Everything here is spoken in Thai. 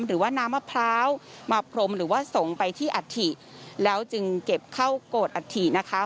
หรือว่าน้ำมะพร้าวมาพรมหรือว่าส่งไปที่อัฐิแล้วจึงเก็บเข้าโกรธอัฐินะคะ